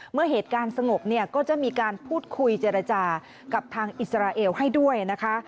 เมื่อเหตุการณ์สงบเนี่ยก็จะมีการพูดคุยเจรจากับทางอิสราเอลให้ด้วยนะคะ